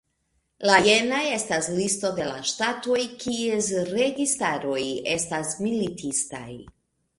La jena estas listo de la ŝtatoj kies registaroj estas militistaj.